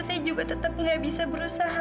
saya juga tetap gak bisa berusaha